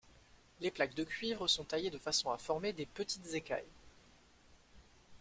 Les plaques de cuivre sont taillées de façon à former des petites écailles.